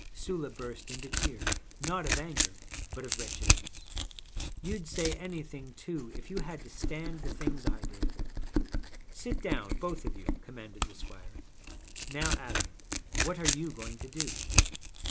Sula burst into tears, not of anger but of wretchedness. 'You'd say anything, too, if you had to stand the things I did.' 'Sit down, both of you,' commanded the squire. 'Now, Adam, what are you going to do?'